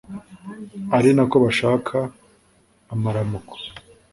arinako bashaka amaramuko